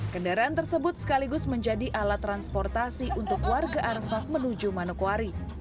kendaraan tersebut sekaligus menjadi alat transportasi untuk warga arfah menuju manokwari